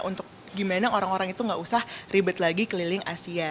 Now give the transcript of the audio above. untuk gimana orang orang itu gak usah ribet lagi keliling asia